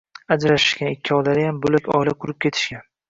-Ajrashishgan, ikkovlariyam bo’lak oila qurib ketishgan.